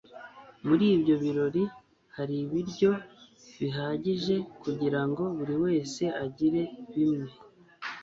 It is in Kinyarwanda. muri ibyo birori hari ibiryo bihagije kugirango buriwese agire bimwe